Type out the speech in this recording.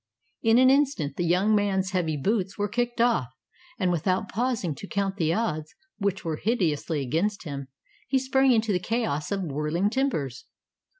In an instant the young man's heavy boots were kicked off, and without pausing to count the odds, which were hideously against him, he sprang into the chaos of whirling timbers.